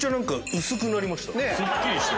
すっきりした。